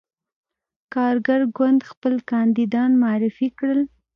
کارګر ګوند خپل کاندیدان معرفي کړل.